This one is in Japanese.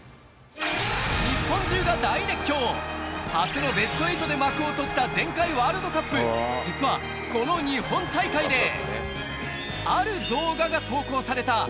日本中が大熱狂、初のベスト８で幕を閉じた前回ワールドカップ、実はこの日本大会である動画が投稿された。